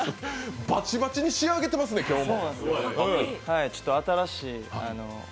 バチバチに仕上げてますね、今日も。